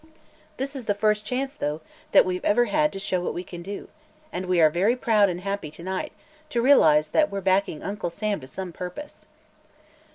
This is the first chance, though, that we've ever had to show what we can do, and we are very proud and happy to night to realize that we're backing Uncle Sam to some purpose."